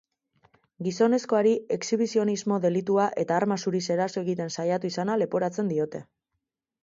Gizonezkoari exhibizionismo delitua eta arma zuriz eraso egiten saiatu izana leporatzen diote.